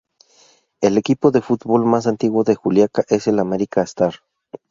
El equipo de fútbol más antiguo de Juliaca es el American Star.